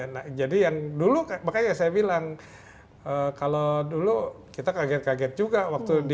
nah jadi yang dulu makanya saya bilang kalau dulu kita kaget kaget juga waktu di